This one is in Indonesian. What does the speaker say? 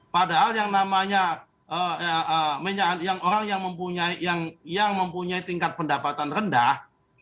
padahal yang namanya orang yang mempunyai tingkat pendapatan rendah